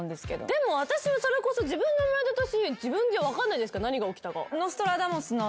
でも私はそれこそ自分の生まれた年自分じゃ分かんないじゃないですか何が起きたか。